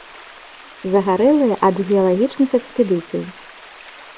Загарэлыя ад геалагічных экспедыцый.